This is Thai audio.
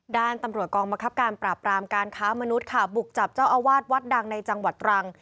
ด้านตำรวจกองบังคับการปราบรามการค้ามนุษย์ค่ะบุกจับเจ้าอาวาสวัดดังในจังหวัดตรัง